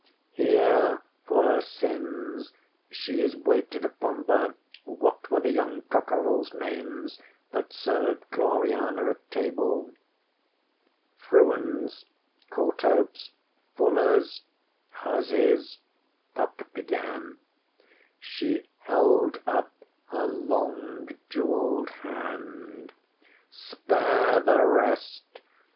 Here for her sins she is waited upon by What were the young cockerelsŌĆÖ names that served Gloriana at table? ŌĆÖ ŌĆśFrewens, Courthopes, Fullers, Husseys, ŌĆÖ Puck began. She held up her long jewelled hand. ŌĆśSpare the rest!